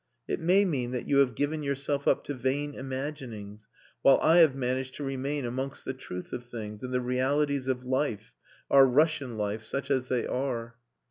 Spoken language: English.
"It may mean that you have given yourself up to vain imaginings while I have managed to remain amongst the truth of things and the realities of life our Russian life such as they are."